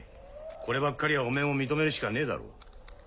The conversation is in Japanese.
こればっかりはおめぇも認めるしかねえだろう。